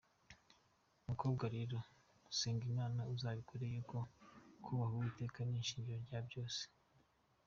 Mukobwa rero senga Imana izabikora yuko kubaha Uwiteka ni ishingiro rya byose!.